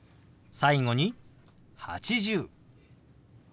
最後に「８０」。